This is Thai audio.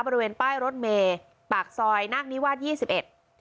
บริเวณป้ายรถเมย์ปากซอยนาคนิวาสยี่สิบเอ็ด